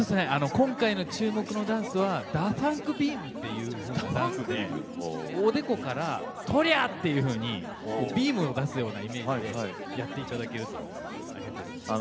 今回の注目のダンスはＤＡＦＵＮＫビームっていうふうなダンスでおでこからとりゃ！っていうふうにビームを出すようなイメージでやっていただけるとありがたいですね。